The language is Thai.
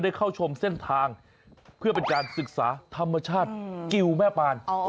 เข้าชมเส้นทางเพื่อเป็นการศึกษาธรรมชาติกิวแม่ปาน